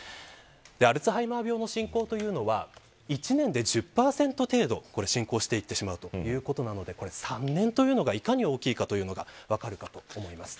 アルツハイマー病の進行というのは、１年で１０％程度進行していくということなので３年というのがいかに大きいかというのが分かるかと思います。